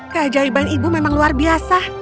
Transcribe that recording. keajaiban ibu memang luar biasa